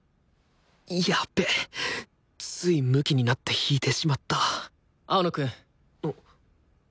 やっべついムキになって弾いてしまった青野くん。